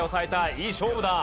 いい勝負だ。